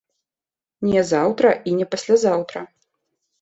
Не заўтра і не паслязаўтра.